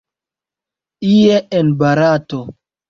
Ie en Barato.